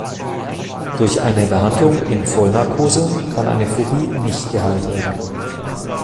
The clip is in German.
Durch eine Behandlung in Vollnarkose kann eine Phobie nicht geheilt werden.